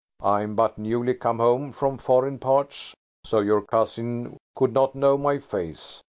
I am but newly come home from foreign parts, so your cousin could not know my face.